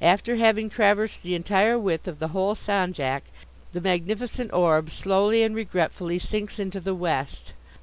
After having traversed the entire width of the whole Sanjak, the magnificent orb, slowly and regretfully, sinks into the west.